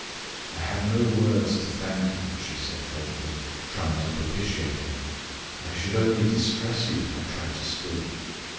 "I have no words to thank you," she said, faintly, trying to propitiate him. "I should only distress you if I tried to speak."